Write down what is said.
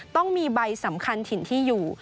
ต้องมีใบสำคัญถิ่นที่อยู่